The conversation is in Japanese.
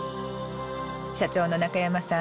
社長の中山さん